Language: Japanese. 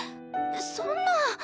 そんな。